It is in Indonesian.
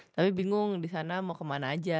tapi bingung disana mau kemana aja